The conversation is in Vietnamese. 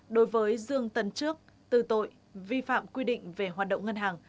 đối với dương tấn trước tư tội vi phạm quy định về hoạt động ngân hàng